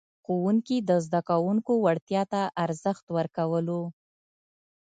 ښوونکي د زده کوونکو وړتیا ته ارزښت ورکولو.